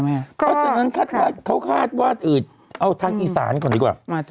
เพราะฉะนั้นเขาคาดว่าอื่นเอาทางอีสานก่อนดีกว่า